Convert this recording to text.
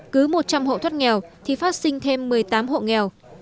cứ một trăm linh hộ thoát nghèo thì phát sinh thêm một mươi tám hộ nghèo